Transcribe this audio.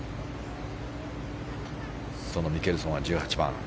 そのミケルソンは１８番。